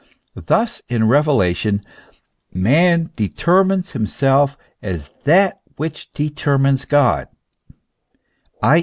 Thus in revelation man determines himself as that which determines God, i.